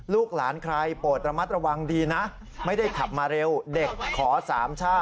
ลูกหลานใครโปรดระมัดระวังดีนะไม่ได้ขับมาเร็วเด็กขอสามช่า